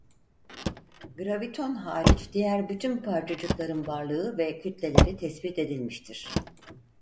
Graviton hariç diğer bütün parçacıkların varlığı ve kütleleri tespit edilmiştir.